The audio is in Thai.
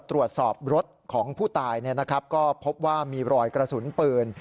รถของผู้ตายนะครับก็พบว่ามีรอยกระสุนปืน